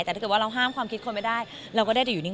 แต่ถ้าเกิดว่าเราห้ามความคิดคนไม่ได้เราก็ได้แต่อยู่นิ่ง